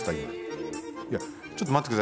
いやちょっとまってください。